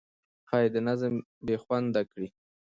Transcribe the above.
ښایي نظم بې خونده کړي.